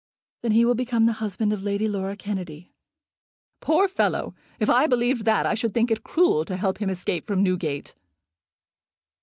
"Then he will become the husband of Lady Laura Kennedy." "Poor fellow! If I believed that, I should think it cruel to help him escape from Newgate."